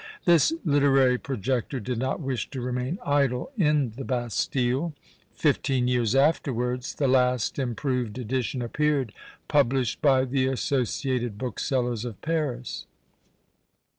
This literary projector did not wish to remain idle in the Bastile. Fifteen years afterwards the last improved edition appeared, published by the associated booksellers of Paris.